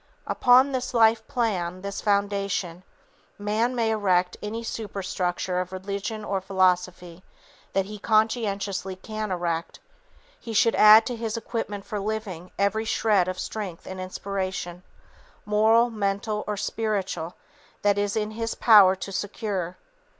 Upon this life plan, this foundation, man may erect any superstructure of religion or philosophy that he conscientiously can erect; he should add to his equipment for living every shred of strength and inspiration, moral, mental or spiritual that is in his power to secure.